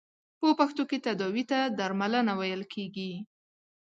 په پښتو کې تداوې ته درملنه ویل کیږی.